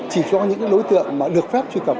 chỉ cho những đối tượng mà được phép truy cập